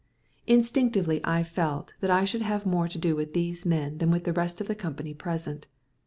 Instinctively I felt that I should have more to do with these men than with the rest of the company present.